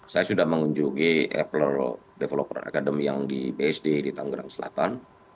saya sudah mengunjungi apple developer academy yang di bsd di tanggerang selatan